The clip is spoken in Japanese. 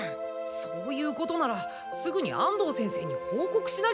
そういうことならすぐに安藤先生に報告しなきゃ。